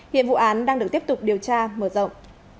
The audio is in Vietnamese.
hiện vụ án đang được tiếp tục điều tra mở rộng